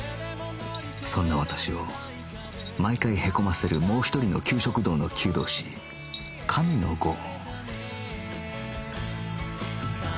そんな私を毎回へこませるもう一人の給食道の求道士神野ゴウ